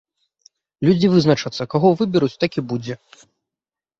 Людзі вызначацца, каго выберуць, так і будзе.